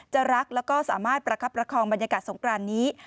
รักแล้วก็สามารถประคับประคองบรรยากาศสงครานนี้